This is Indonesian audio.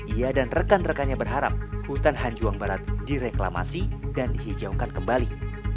ia dan rekan rekannya berharap hutan hanjuang barat direklamasi dan dihijaukan kembali